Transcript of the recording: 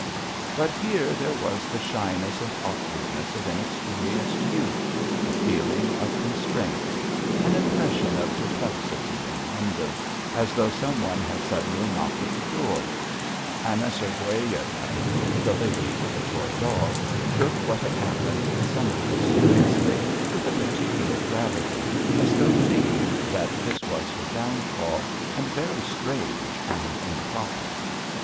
But here there was the shyness and awkwardness of inexperienced youth, a feeling of constraint; an impression of perplexity and wonder, as though some one had suddenly knocked at the door. Anna Sergueyevna, "the lady with the toy dog" took what had happened somehow seriously, with a particular gravity, as though thinking that this was her downfall and very strange and improper.